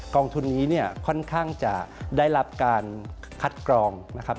องทุนนี้เนี่ยค่อนข้างจะได้รับการคัดกรองนะครับ